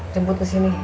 jemput ke sini